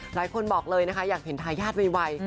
หลายคนบอกเลยนะคะอยากเห็นทายาทไว